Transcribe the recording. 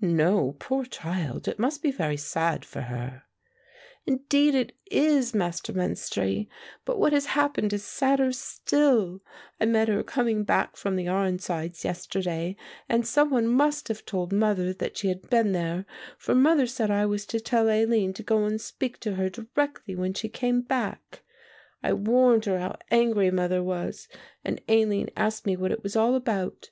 "No, poor child, it must be very sad for her." "Indeed it is, Master Menstrie, but what has happened is sadder still. I met her coming back from the Arnsides yesterday, and some one must have told mother that she had been there; for mother said I was to tell Aline to go and speak to her directly she came back. I warned her how angry mother was and Aline asked me what it was all about.